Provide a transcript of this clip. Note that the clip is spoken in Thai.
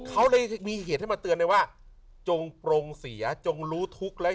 เขาเลยมีเหตุให้มาเตือนเลยว่าจงปรงเสียจงรู้ทุกข์แล้ว